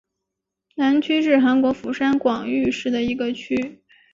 南区是韩国釜山广域市的一个区。